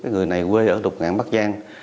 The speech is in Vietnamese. người này quê ở lục ngãn bắc giang